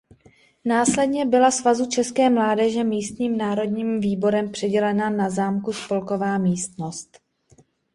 Následně byla Svazu české mládeže místním národním výborem přidělena na zámku spolková místnost.